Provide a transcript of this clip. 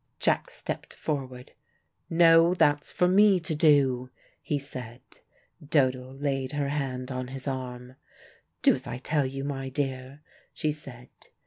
Jack stepped forward. "No, that's for me to do," he said Dodo laid her hand on his arm. "Do as I tell you, my dear," she said.